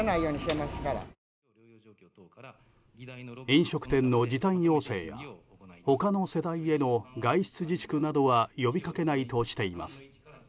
飲食店の時短要請や他の世代への外出自粛などは呼びかけないとしています。